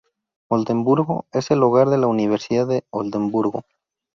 Oldemburgo es el hogar de la Universidad de Oldemburgo.